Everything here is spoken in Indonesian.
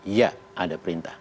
iya ada perintah